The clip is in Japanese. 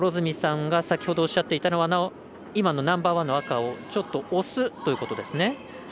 先ほどおっしゃっていたのは今のナンバーワンの赤をちょっと押すということですね。